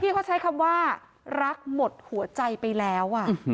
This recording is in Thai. เขาใช้คำว่ารักหมดหัวใจไปแล้ว